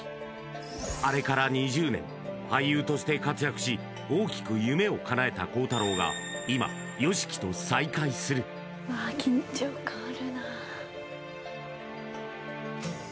あれから２０年俳優として活躍し大きく夢を叶えた孝太郎が今ＹＯＳＨＩＫＩと再会するうわっ！